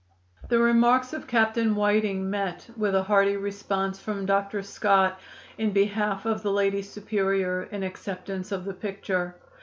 The remarks of Captain Whiting met with a hearty response from Dr. Scott, in behalf of the Lady Superior, in acceptance of the picture.